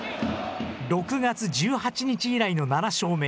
６月１８日以来の７勝目。